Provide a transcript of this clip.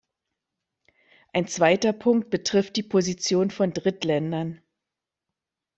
Ein zweiter Punkt betrifft die Position von Drittländern.